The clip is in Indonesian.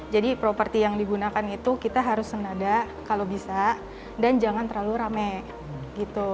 jadi properti yang digunakan itu kita harus senada kalau bisa dan jangan terlalu rame gitu